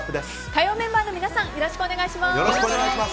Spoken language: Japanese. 火曜メンバーの皆さんよろしくお願いします。